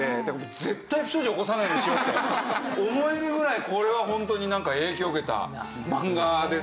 絶対不祥事起こさないようにしようって思えるぐらいこれはホントになんか影響を受けた漫画ですよね。